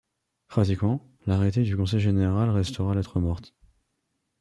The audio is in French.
Pratiquement, l'arrêté du conseil général restera lettre morte.